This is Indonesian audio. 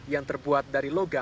yang terbuat dari lukisan